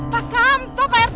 pak kanto pak rt